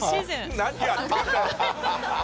何やってんだよ。